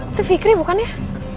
itu fikri bukan ya